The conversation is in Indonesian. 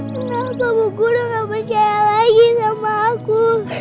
kenapa bu kudo gak percaya lagi sama aku